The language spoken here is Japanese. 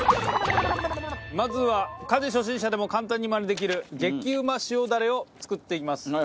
まずは家事初心者でも簡単にマネできる激うま塩ダレを作っていきます。